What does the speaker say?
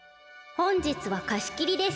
「本日は貸し切りです。